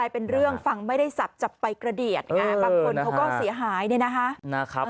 เป็นเรื่องฟังไม่ได้สับจับไปกระเด็ดบางคนเขาก็เสียหาย